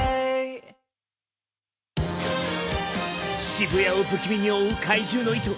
渋谷を不気味に覆う怪獣の糸。